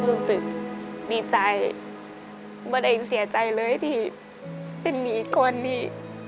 รู้สึกดีใจไม่ได้เสียใจเลยที่เป็นหนี้ก้อนนี้